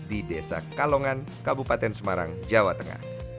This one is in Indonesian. di desa kalongan kabupaten semarang jawa tengah